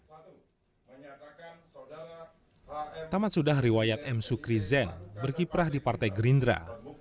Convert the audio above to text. satu menyatakan saudara pak m sukrizen berkiprah di partai gerindra